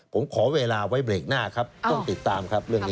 ผมขอเวลาไว้เบรกหน้าครับต้องติดตามครับเรื่องนี้